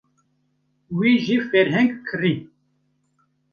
Wê jî ferheng kirî.